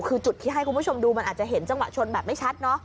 คือจุดที่ให้คุณผู้ชมดูมันอาจจะเห็นจังหวะชนแบบไม่ชัดเนอะ